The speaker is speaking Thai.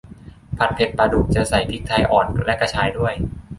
ผัดเผ็ดปลาดุก จะใส่พริกไทยอ่อนและกระชายด้วย